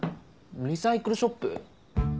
リサイクルショップ？